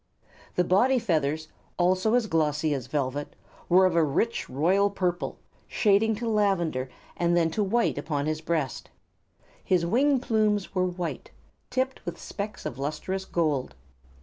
The body feathers, also as glossy as velvet, were of a rich royal purple, shading to lavender and then to white upon his breast. His wing plumes were white, tipped with specks of lustrous gold.